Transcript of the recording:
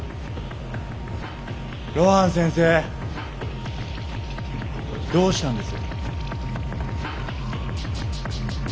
露伴先生どうしたんです？